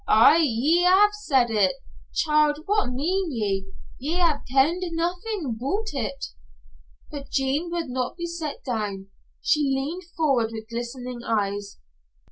"Ye ha'e aye said it? Child, what mean ye? Ye ha'e kenned naethin' aboot it." But Jean would not be set down. She leaned forward with glistening eyes.